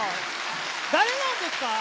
だれなんですか？